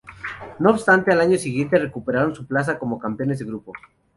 No obstante, al año siguiente recuperaron su plaza como campeones de grupo.